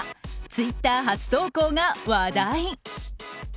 ツイッター初投稿が話題。